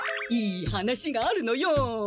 いい話があるのよ。